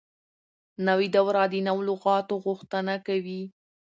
نوې دوره د نوو لغاتو غوښتنه کوي.